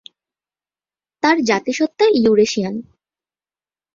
তার জাতিসত্তা ইউরেশিয়ান।